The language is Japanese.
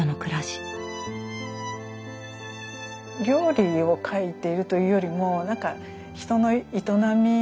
料理を書いているというよりもなんか人の営みですね。